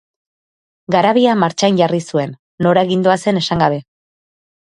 Garabia martxan jarri zuen, nora gindoazen esan gabe.